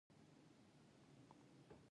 ایا زه باید پارلمان ته لاړ شم؟